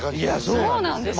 そうなんですよ。